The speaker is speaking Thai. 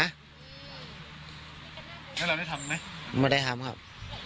แล้วเราได้ทำไหมไม่ได้ทำครับ